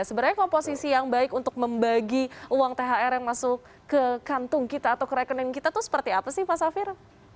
sebenarnya komposisi yang baik untuk membagi uang thr yang masuk ke kantung kita atau ke rekening kita itu seperti apa sih mas safir